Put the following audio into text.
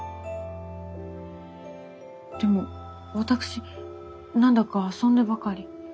でも私なんだか遊んでばかり。